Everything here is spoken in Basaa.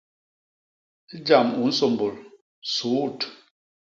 Jam u nsômbôl, suut!